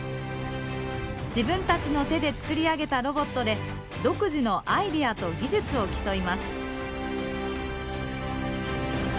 自分たちの手でつくり上げたロボットで独自のアイデアと技術を競います。